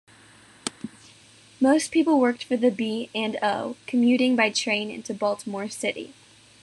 Most people worked for the B and O, commuting by train into Baltimore City.